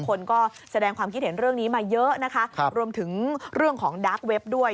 คนก็แสดงความคิดเห็นเรื่องนี้มาเยอะนะคะรวมถึงเรื่องของดาร์กเว็บด้วย